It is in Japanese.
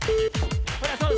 ほらそう。